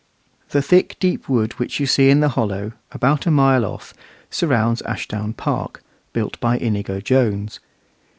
The thick, deep wood which you see in the hollow, about a mile off, surrounds Ashdown Park, built by Inigo Jones.